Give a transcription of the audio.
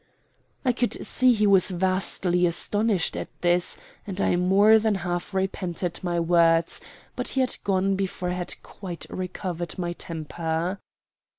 I could see he was vastly astonished at this and I more than half repented my words, but he had gone before I had quite recovered my temper.